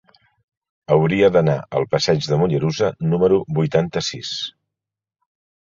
Hauria d'anar al passeig de Mollerussa número vuitanta-sis.